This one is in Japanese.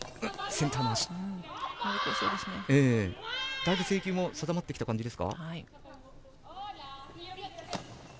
だいぶ制球も定まってきた感じです。